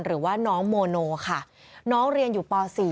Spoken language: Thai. หรือว่าน้องโมโนค่ะน้องเรียนอยู่ป๔